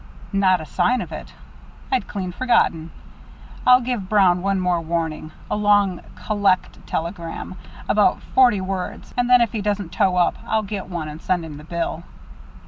"Not a sign of it. I'd clean forgotten. I'll give Brown one more warning a long 'collect' telegram, about forty words and then if he doesn't toe up, I'll get one and send him the bill.